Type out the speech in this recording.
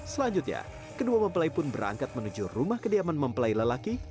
selanjutnya kedua mempelai pun berangkat menuju rumah kediaman mempelai lelaki